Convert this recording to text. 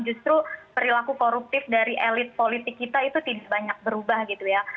justru perilaku koruptif dari elit politik kita itu tidak banyak berubah gitu ya